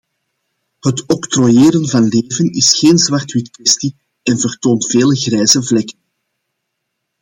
Het octrooieren van leven is geen zwart-witkwestie en vertoont vele grijze vlekken.